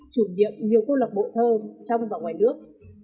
chủ nhiệm nhiều cô lập bộ thơ trong và ngoài nước